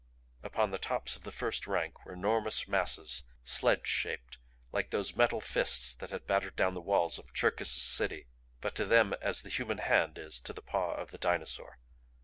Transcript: Upon the tops of the first rank were enormous masses, sledge shaped like those metal fists that had battered down the walls of Cherkis's city but to them as the human hand is to the paw of the dinosaur.